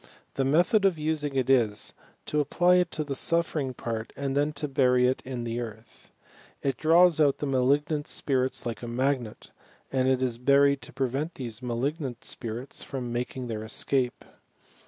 The method of using it is, to apply it to the suffering part, and then to bury it in the earth. It draws out the malignant spirits like a magnet, and it is buried to prevent these malignant spirits from making their escape.